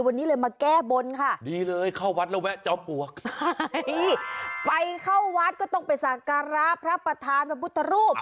วันนี้เลยมาแก้บนค่ะดีเลยเข้าวัดแล้วแวะจอมปลวกไปเข้าวัดก็ต้องไปสักการะพระประธานพระพุทธรูป